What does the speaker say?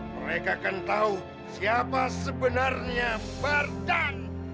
mereka akan tahu siapa sebenarnya bartan